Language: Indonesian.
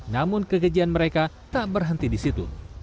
namun kekejian mereka tak berhenti di situ